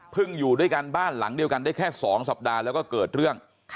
อยู่ด้วยกันบ้านหลังเดียวกันได้แค่๒สัปดาห์แล้วก็เกิดเรื่อง